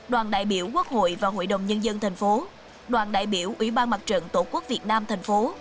đoàn đại biểu quốc hội và hội đồng nhân dân tp đoàn đại biểu ủy ban mặt trận tổ quốc việt nam tp